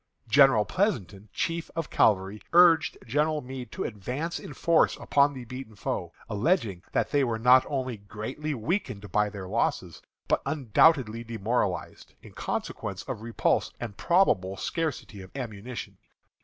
General Pleasonton, chief of cavalry, urged General Meade to advance in force upon the beaten foe, alleging that they were not only greatly weakened by their losses, but undoubtedly demoralized, in consequence of repulse and probable scarcity of ammunition.